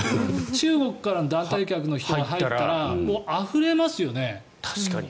中国からの団体客の人が入ったらあふれますよね。